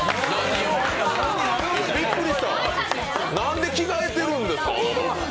びっくりしたわなんで着替えているんですか。